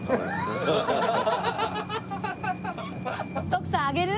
徳さんあげる？